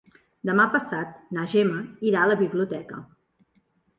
Demà passat na Gemma irà a la biblioteca.